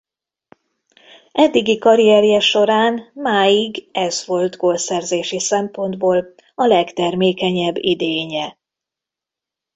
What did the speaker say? Eddigi karrierje során máig ez volt gólszerzési szempontból a legtermékenyebb idénye.